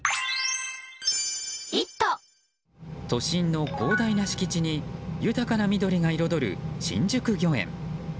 都心の広大な敷地に豊かな緑が彩る新宿御苑。